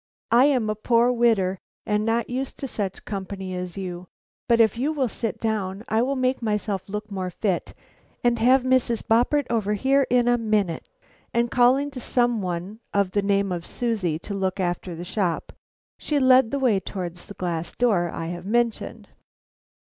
I am a poor widder, and not used to such company as you; but if you will sit down, I will make myself look more fit and have Mrs. Boppert over here in a minute." And calling to some one of the name of Susie to look after the shop, she led the way towards the glass door I have mentioned.